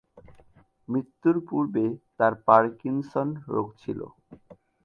মৃত্যুর পূর্বে তার পারকিনসন রোগ ছিল।